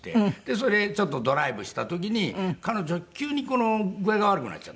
それでちょっとドライブした時に彼女急に具合が悪くなっちゃってね。